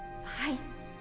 はい。